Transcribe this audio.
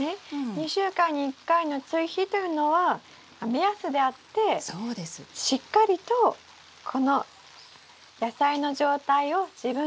２週間に１回の追肥というのは目安であってしっかりとこの野菜の状態を自分で見るってことが大事なんですね。